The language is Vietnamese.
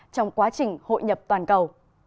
trong quá trình hội nhập toàn cầu